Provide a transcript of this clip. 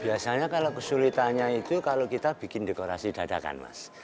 biasanya kalau kesulitannya itu kalau kita bikin dekorasi dadakan mas